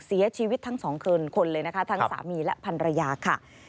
เสียชีวิตทั้งสองคนเลยนะคะทั้งสามีและพันรยาค่ะ